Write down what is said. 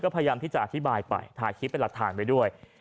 ก็พยายามที่จะอธิบายไปถ่ายคลิปเป็นระทางไปด้วย